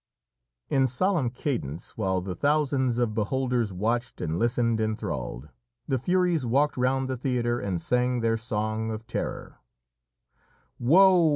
In solemn cadence, while the thousands of beholders watched and listened enthralled, the Furies walked round the theatre and sang their song of terror: "Woe!